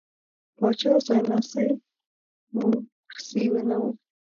پاچا ځایناستی مورثي نه و.